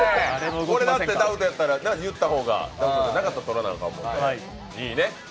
だって、ダウトやったら、なかったら取らなあかんもんね。